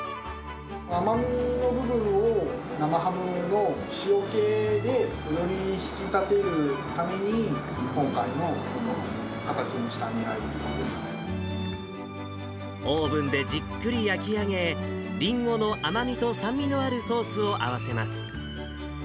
甘みの部分を、生ハムの塩気でより引き立てるために、オーブンでじっくり焼き上げ、りんごの甘みと酸味のあるソースを合わせます。